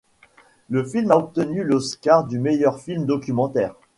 Le film a obtenu l'Oscar du meilleur film documentaire.